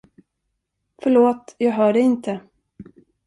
Förlåt, jag hör dig inte.